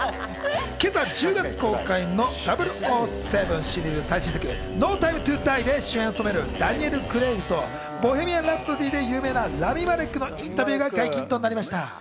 １０月公開の『００７』シリーズ最新作『ノー・タイム・トゥ・ダイ』で主演を務めるダニエル・クレイグと『ボヘミアン・ラプソディ』で有名なラミ・マレックのインタビューが解禁となりました。